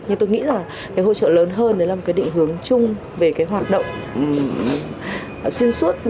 nhưng tôi nghĩ là hỗ trợ lớn hơn là một định hướng chung về hoạt động xuyên suốt